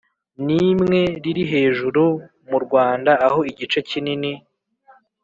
N imwe riri hejuru mu rwanda aho igice kinini